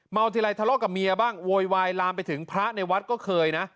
ทีไรทะเลาะกับเมียบ้างโวยวายลามไปถึงพระในวัดก็เคยนะ